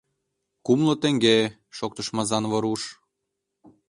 — Кумло теҥге! — шоктыш Мазаново руш.